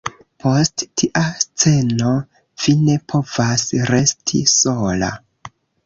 Post tia sceno, vi ne povas resti sola.